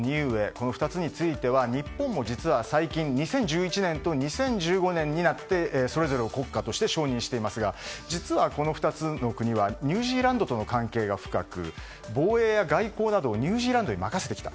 この２つについては日本も実は、最近２０１１年と２０１５年になってそれぞれを国家として承認していますが実は、この２つの国はニュージーランドとの関係が深く防衛や外交などをニュージーランドに任せてきた。